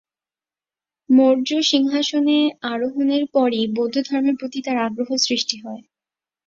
মৌর্য সিংহাসনে আরোহনের পরই বৌদ্ধধর্মের প্রতি তাঁর আগ্রহ সৃষ্টি হয়।